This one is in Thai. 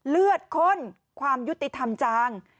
เลือดข้นความยุติธรรมจาง